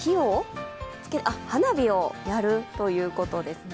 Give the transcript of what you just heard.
花火をやるということですね。